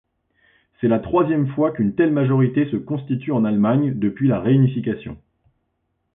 C'est la troisième fois qu'une telle majorité se constitue en Allemagne depuis la réunification.